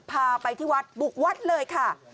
พาไปที่วัดบุกวัดเลยค่ะ